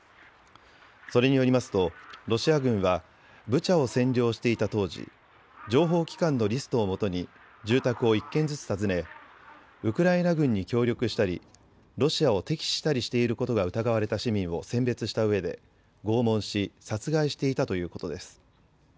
それによりますとロシア軍はブチャを占領していた当時、情報機関のリストをもとに住宅を１軒ずつ訪ね、ウクライナ軍に協力したりロシアを敵視したりしていることが疑われた市民を選別したうえで拷問し殺害していたということです。